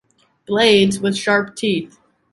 Blades with sharp teeth.